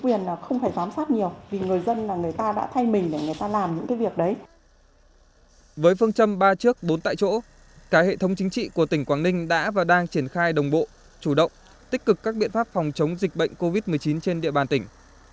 với phương châm ba trước bốn tại chỗ cả hệ thống chính trị của tỉnh quảng ninh đã và đang triển khai đồng bộ chủ động tích cực các biện pháp phòng chống dịch bệnh covid một mươi chín trên địa bàn tỉnh